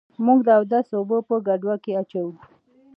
موږ د اودس اوبه په ګډوه کي اچوو.